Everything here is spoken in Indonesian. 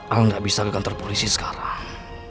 aku nggak bisa ke kantor polisi sekarang